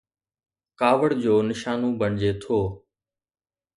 ڪاوڙ جو نشانو بڻجي ٿو.